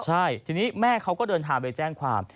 ใช่ทีนี้แม่เขาก็เดินทางไปแจ้งความ